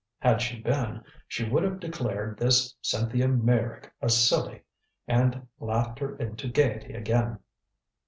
Had she been, she would have declared this Cynthia Meyrick a silly, and laughed her into gaiety again.